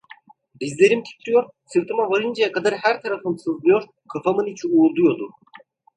Dizlerim titriyor, sırtıma varıncaya kadar her tarafım sızlıyor, kafamın içi uğulduyordu.